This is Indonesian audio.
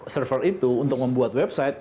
server itu untuk membuat website